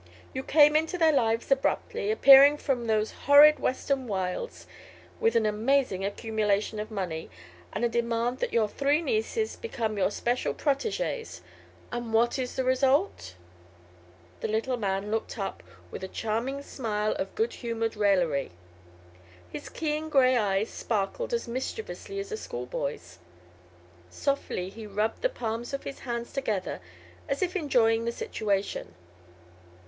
You came into their lives abruptly, appearing from those horrid Western wilds with an amazing accumulation of money and a demand that your three nieces become your special protégées. And what is the result?" The little man looked up with a charming smile of good humored raillery. His keen gray eyes sparkled as mischievously as a schoolboy's. Softly he rubbed the palms of his hands together, as if enjoying the situation.